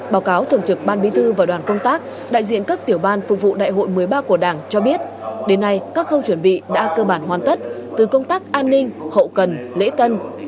báo cáo thường trực ban bí thư và đoàn công tác đại diện các tiểu ban phục vụ đại hội một mươi ba của đảng cho biết đến nay các khâu chuẩn bị đã cơ bản hoàn tất từ công tác an ninh hậu cần lễ tân